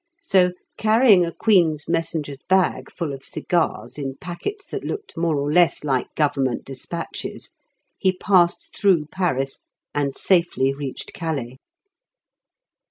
So, carrying a Queen's Messenger's bag full of cigars in packets that looked more or less like Government despatches, he passed through Paris and safely reached Calais.